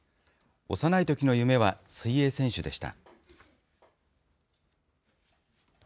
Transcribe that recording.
幼いときの夢は水泳選手でした。